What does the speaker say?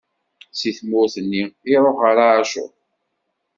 Si tmurt nni, iṛuḥ ɣer Acur.